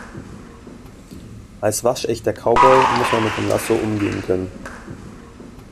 Als waschechter Cowboy muss man mit dem Lasso umgehen können.